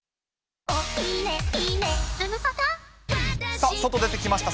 さあ、外出てきました。